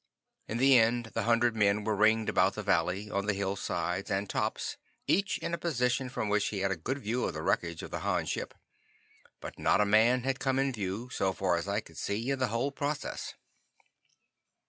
In the end, the hundred men were ringed about the valley, on the hillsides and tops, each in a position from which he had a good view of the wreckage of the Han ship. But not a man had come in view, so far as I could see, in the whole process.